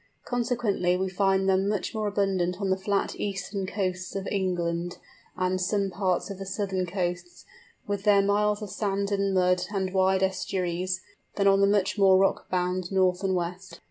Consequently we find them much more abundant on the flat eastern coasts of England, and some parts of the southern coasts, with their miles of sand and mud and wide estuaries, than on the much more rock bound north and west.